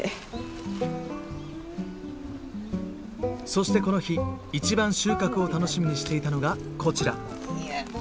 そしてこの日一番収穫を楽しみにしていたのがこちら。